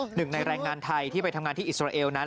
หนึ่งในแรงงานไทยที่ไปทำงานที่อิสราเอลนั้น